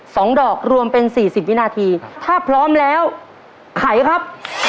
สองดอกรวมเป็นสี่สิบวินาทีถ้าพร้อมแล้วไขครับ